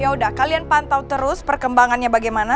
yaudah kalian pantau terus perkembangannya bagaimana